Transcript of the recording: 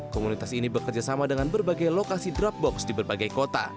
komunitas ini bekerjasama dengan berbagai lokasi drop box di berbagai kota